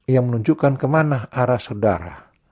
yang menunjukkan kemana arah saudara